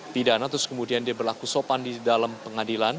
pidana terus kemudian dia berlaku sopan di dalam pengadilan